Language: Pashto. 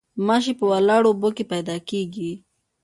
ماشي په ولاړو اوبو کې پیدا کیږي